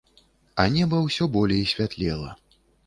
А неба ўсё болей святлела.